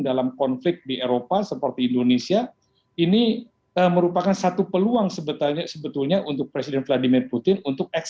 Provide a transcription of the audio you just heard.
dalam konflik di eropa seperti indonesia ini merupakan satu peluang sebetulnya untuk presiden vladimir putin untuk